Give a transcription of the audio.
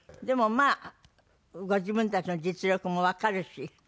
でもまあご自分たちの実力もわかるし。